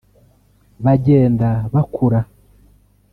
bagenda bakura